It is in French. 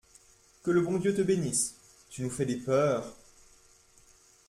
Que le bon Dieu te bénisse ! tu nous fais des peurs !